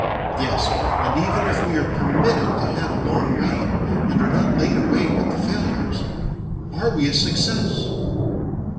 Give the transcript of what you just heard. Yes, and even if we are permitted to have a long reign, and are not laid away with the failures, are we a success?